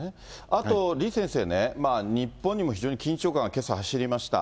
あと、李先生ね、日本にも非常に緊張感がけさ走りました。